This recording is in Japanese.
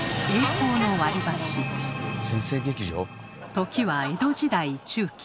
時は江戸時代中期。